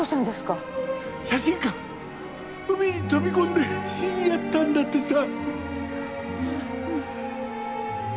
写真館海に飛び込んで死んじゃったんだってさ。